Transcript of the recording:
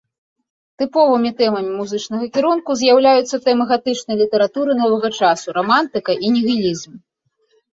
Тыповымі тэмамі музычнага кірунку з'яўляюцца тэмы гатычнай літаратуры новага часу, рамантыка і нігілізм.